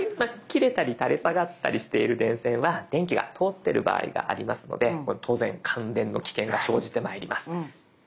切れたり垂れ下がったりしている電線は電気が通ってる場合がありますのでこれ当然感電の危険が生じてまいります。